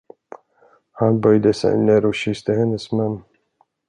Han böjde sig ner och kysste hennes mun.